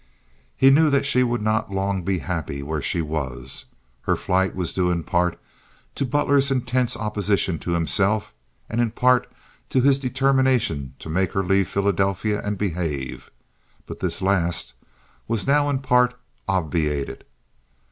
He knew that she would not long be happy where she was. Her flight was due in part to Butler's intense opposition to himself and in part to his determination to make her leave Philadelphia and behave; but this last was now in part obviated.